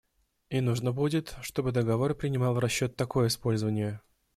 И нужно будет, чтобы договор принимал в расчет такое использование.